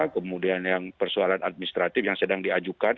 kemudian yang persoalan administratif yang sedang diajukan